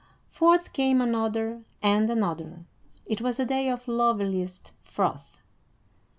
Forth came another and another; it was a day of loveliest froth.